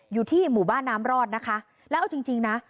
อยู่ที่หมู่บ้านน้ำรอดนะคะแล้วเอาจริงจริงนะ